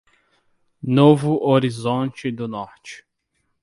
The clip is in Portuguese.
Novo Horizonte do Norte